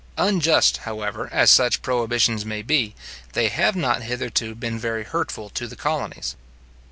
Unjust, however, as such prohibitions may be, they have not hitherto been very hurtful to the colonies.